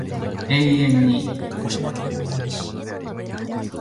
永遠に